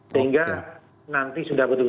sehingga nanti sudah berdekatan